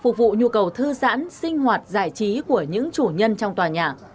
có nhu cầu thư giãn sinh hoạt giải trí của những chủ nhân trong tòa nhà